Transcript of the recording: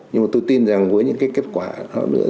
nhưng mà tôi tin rằng với những kết quả